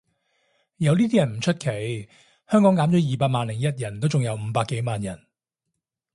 有呢啲人唔出奇，香港減咗二百萬零一人都仲有五百幾萬人